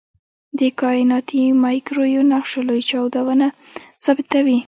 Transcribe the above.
د کائناتي مایکروویو نقشه لوی چاودنه ثابتوي.